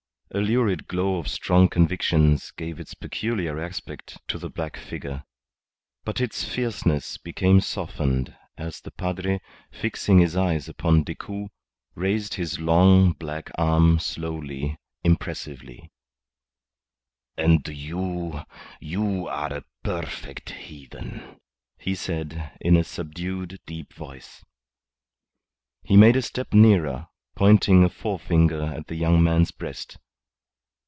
A lurid glow of strong convictions gave its peculiar aspect to the black figure. But its fierceness became softened as the padre, fixing his eyes upon Decoud, raised his long, black arm slowly, impressively "And you you are a perfect heathen," he said, in a subdued, deep voice. He made a step nearer, pointing a forefinger at the young man's breast.